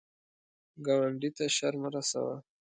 ګاونډي ته شر مه رسوه